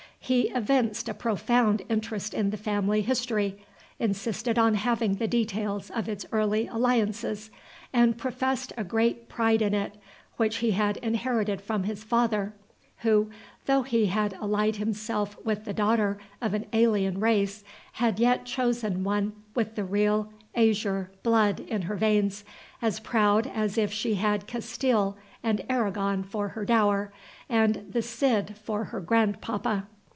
He evinced a profound interest in the family history, insisted on having the details of its early alliances, and professed a great pride in it, which he had inherited from his father, who, though he had allied himself with the daughter of an alien race, had yet chosen one with the real azure blood in her veins, as proud as if she had Castile and Aragon for her dower and the Cid for her grand papa.